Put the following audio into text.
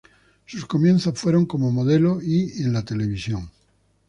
Sus comienzos fueron como modelo y en televisión.